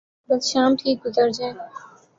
بس شام ٹھیک گزر جائے۔